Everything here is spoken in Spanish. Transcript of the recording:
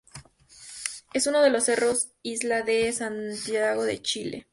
Es uno de los cerros isla de Santiago de Chile.